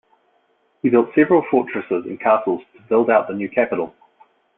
He built several fortresses and castles to build out the new capital.